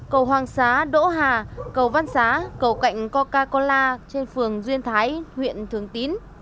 cầu hoàng xá đỗ hà cầu văn xá cầu cạnh coca cola trên phường duyên thái huyện thường tín